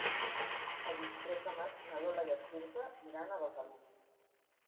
El vint-i-tres de maig na Lola i en Quirze iran a Besalú.